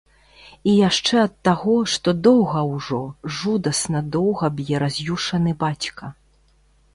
І яшчэ ад таго, што доўга ўжо, жудасна доўга б'е раз'юшаны бацька.